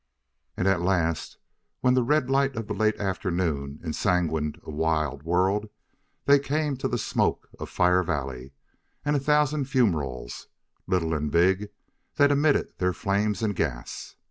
And at the last, when the red light of late afternoon ensanguined a wild world, they came to the smoke of Fire Valley, and a thousand fumeroles, little and big, that emitted their flame and gas.